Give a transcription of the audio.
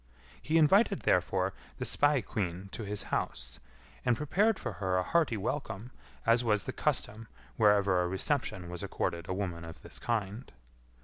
He invited, therefore, the spae queen to his house, and prepared for her a hearty welcome, as was the custom whereever a reception was accorded a woman of this kind.